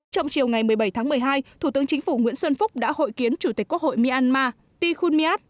trong chiều ngày một mươi bảy tháng một mươi hai thủ tướng chính phủ nguyễn xuân phúc đã hội kiến chủ tịch quốc hội myanmar tichun miad